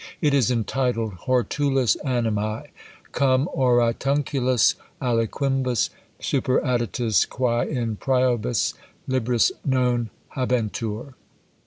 It is entitled Hortulus Animæ, cum Oratiunculis aliquibus superadditis quæ in prioribus Libris non habentur.